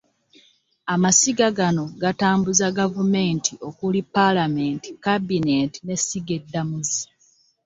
Amasiga gano gatambuza gavumenti okuli ppaalamenti, kabinenti n'essiga eddamuzi